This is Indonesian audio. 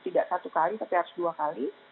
tidak satu kali tapi harus dua kali